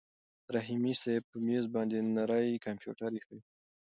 رحیمي صیب په مېز باندې نری کمپیوټر ایښی و.